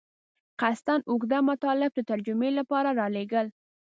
قصداً اوږده مطالب د ترجمې لپاره رالېږل.